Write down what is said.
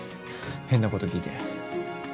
変なこと聞いて。